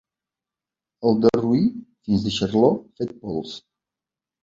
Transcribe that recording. El derruí fins deixar-lo fet pols.